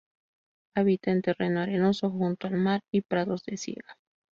Habita en terreno arenoso junto al mar y prados de siega.